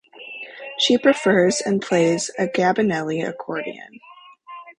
She prefers and plays a Gabbanelli accordion.